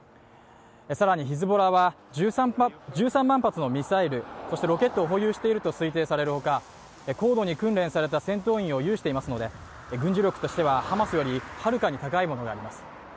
さらにヒズボラは１３万発のミサイル、そしてロケットを保有していると推定されるほか高度に訓練された戦闘員を有していますので軍事力としてはハマスよりはるかに高いものがあります。